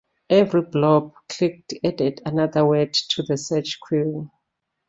Every "blob" clicked added another word to the search query.